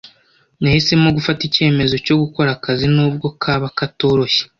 Nahisemo gufata icyemezo cyo gukora akazi nubwo kaba katoroshye.